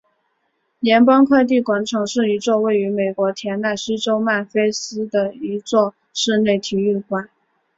联邦快递广场是一座位于美国田纳西州曼菲斯的一座室内体育馆。